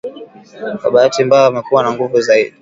Kwa bahati mbaya wamekuwa na nguvu zaidi